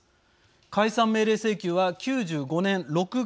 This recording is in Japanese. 解散命令請求は９５年６月３０日。